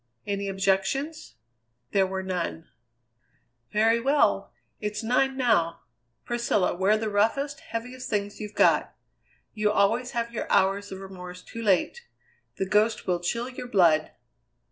Any objections?" There were none. "Very well! It's nine now! Priscilla, wear the roughest, heaviest things you've got. You always have your hours of remorse too late. The Ghost will chill your blood."